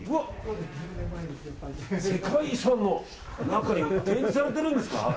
世界遺産の中に展示されてるんですか。